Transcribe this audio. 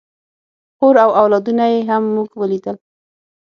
خور او اولادونه یې هم موږ ولیدل.